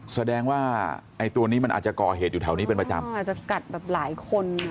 แสดงว่าไอ้ตัวนี้มันอาจจะก่อเหตุอยู่แถวนี้เป็นประจำอาจจะกัดแบบหลายคน